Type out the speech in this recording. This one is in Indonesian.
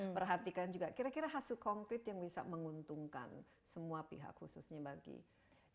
perhatikan juga kira kira hasil konkret yang bisa menguntungkan semua pihak khususnya bagi indonesia